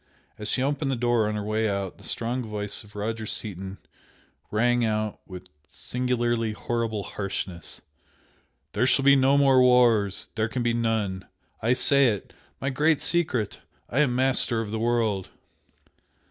As she opened the door on her way out, the strong voice of Roger Seaton rang out with singularly horrible harshness "There shall be no more wars! There can be none! I say it! My great secret! I am master of the world!"